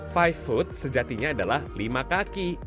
five foot sejatinya adalah lima kaki